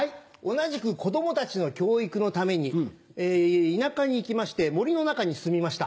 同じく子供たちの教育のために田舎に行きまして森の中に住みました。